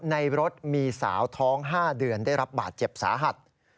ในรถมีสาวท้อง๕เดือนได้รับบาดเจ็บสาหัส